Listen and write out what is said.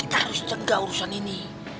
kita harus cegah urusan ini